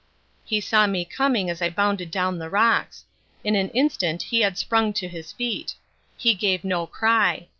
He saw me coming as I bounded down the rocks. In an instant he had sprung to his feet. He gave no cry.